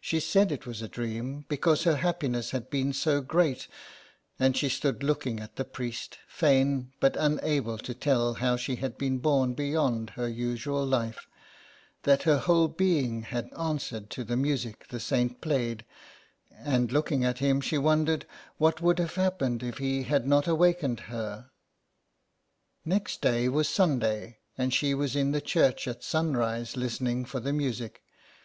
She said it was a dream, because her happiness had been so great ; and she stood looking at the priest, fain, but unable, to tell how she had been borne beyond her usual life, that her whole being had answered to the music the saint played, and looking at him, she wondered what would have happened if he had not awakened her. io6 SOME PARISHIONERS. Next day was Sunday, and she was in the church at sunrise listening for the music.